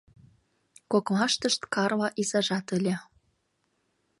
Коклаштышт Карла изажат ыле.